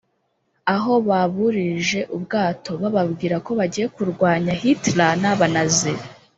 aho baburirije ubwato bababwira ko bagiye kurwanya Hitler n’Abanazi